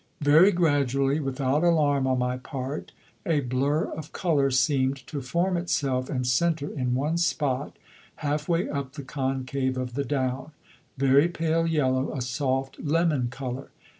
Very gradually, without alarm on my part, a blur of colour seemed to form itself and centre in one spot, half way up the concave of the down; very pale yellow, a soft, lemon colour.